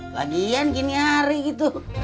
lagian kini hari gitu